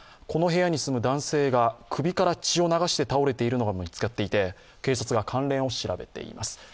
この部屋に住む男性が首から血を流して倒れているのが見つかっていて警察が関連を調べています。